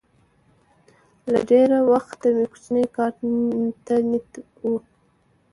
له ډېره وخته مې کوچني کار ته نیت و